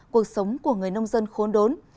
cuộc sống của người nông dân khốn đốn